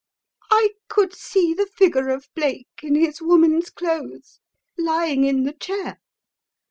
"I could see the figure of Blake in his woman's clothes lying in the chair.